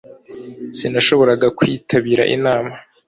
Sinashoboraga kwitabira inama